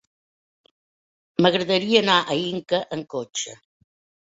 M'agradaria anar a Inca amb cotxe.